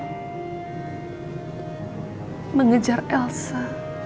kami mengejar elsa